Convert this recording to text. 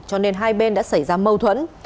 cho nên hai bên đã xảy ra mâu thuẫn